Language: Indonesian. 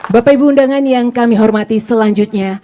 bapak ibu undangan yang kami hormati selanjutnya